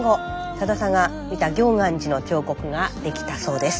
さださんが見た行元寺の彫刻ができたそうです。